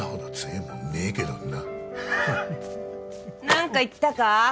何か言ったか？